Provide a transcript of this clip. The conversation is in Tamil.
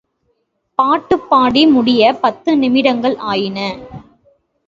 பாட்டுப் பாடி முடிய பத்து நிமிடங்கள் ஆயின.